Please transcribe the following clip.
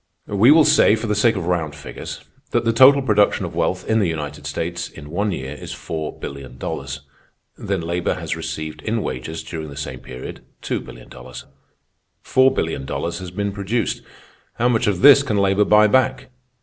We will say, for the sake of round figures, that the total production of wealth in the United States in one year is four billion dollars. Then labor has received in wages, during the same period, two billion dollars. Four billion dollars has been produced. How much of this can labor buy back?